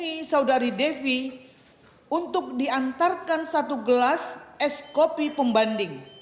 kisah dari devi untuk diantarkan satu gelas iced coffee pembanding